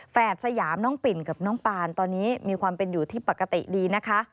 สยามน้องปิ่นกับน้องปานตอนนี้มีความเป็นอยู่ที่ปกติดีนะคะ